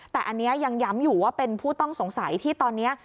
แต่อันนี้ยังย้ำอยู่ว่าเป็นผู้ต้องสงสัยที่ตอนนี้